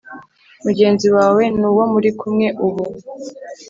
mugenzi wawe ni uwo muri kumwe ubu